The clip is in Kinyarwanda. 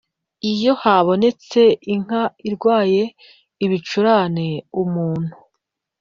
Iyo habonetse inka irwaye ibicurane umuntu